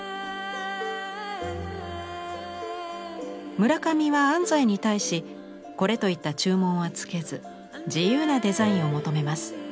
村上は安西に対しこれといった注文は付けず自由なデザインを求めます。